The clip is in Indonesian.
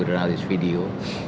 kebetulan saya jurnalis video